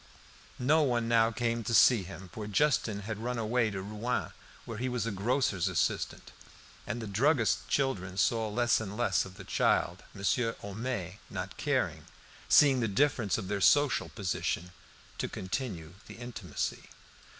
No one now came to see them, for Justin had run away to Rouen, where he was a grocer's assistant, and the druggist's children saw less and less of the child, Monsieur Homais not caring, seeing the difference of their social position, to continue the intimacy.